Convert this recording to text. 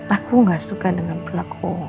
aku gak suka dengan pelaku